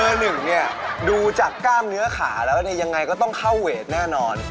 หนึ่งเนี่ยดูจากกล้ามเนื้อขาแล้วเนี่ยยังไงก็ต้องเข้าเวทแน่นอน